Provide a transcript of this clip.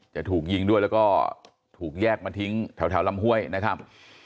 จะถูกยิงด้วยแล้วก็ถูกแยกมาทิ้งแถวลำห้วยนะครับ